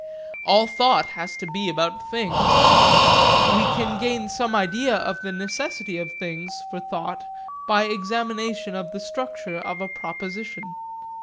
All thought has to be about things. We can gain some idea of this necessity of things for thought by examination of the structure of a proposition.